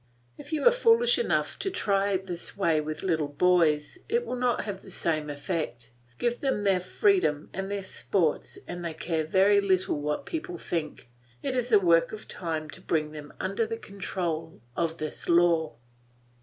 If you are foolish enough to try this way with little boys, it will not have the same effect; give them their freedom and their sports, and they care very little what people think; it is a work of time to bring them under the control of this law.